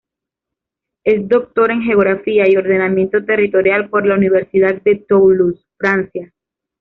Es doctor en Geografía y Ordenamiento Territorial por la Universidad de Toulouse, Francia.